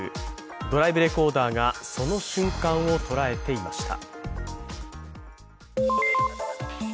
ドライブレコーダーがその瞬間をとらえていました。